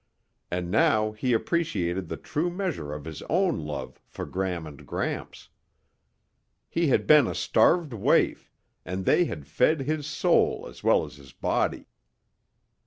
And now he appreciated the true measure of his own love for Gram and Gramps. He had been a starved waif, and they had fed his soul as well as his body.